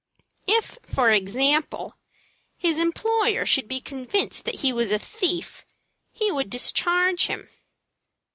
"If, for example, his employer should be convinced that he was a thief, he would discharge him."